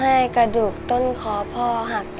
ทำให้กระดูกต้นคอพ่อหักแล้วค่ะ